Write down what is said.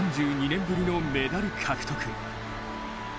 ３２ねんぶりのメダル獲得。